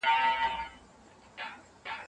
تاسي خپله مځکه اباته کړه.